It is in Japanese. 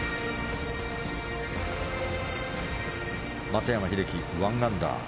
松山英樹、１アンダー。